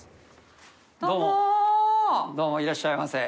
匹Δ癲・どうもいらっしゃいませ。